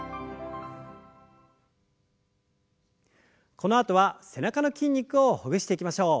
このあとは背中の筋肉をほぐしていきましょう。